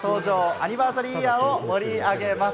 アニバーサリーイヤーを盛り上げます。